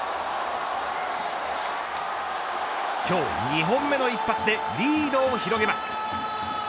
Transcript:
今日２本目の一発でリードを広げます。